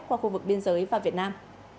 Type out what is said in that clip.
qua khu vực biên giới và việt nam